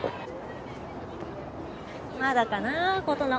まだかなぁ琴乃